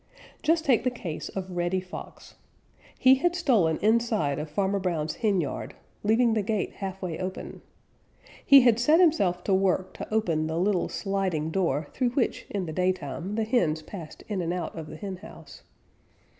Just take the case of Reddy Fox. He had stolen inside of Farmer Brown's henyard, leaving the gate halfway open. He had set himself to work to open the little sliding door through which in the daytime the hens passed in and out of the henhouse.